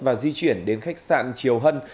và di chuyển đến khách sạn triều hân